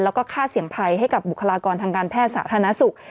แล้วก็ค่าเสี่ยงภัยให้กับบุคลากรทางการแพทย์สาธารณสุข